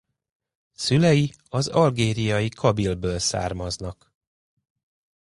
Szülei az Algériai Kabyle-ből származnak.